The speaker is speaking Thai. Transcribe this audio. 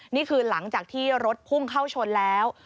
นี่คือหลังจากที่รถพุ่งเข้าชนแล้ว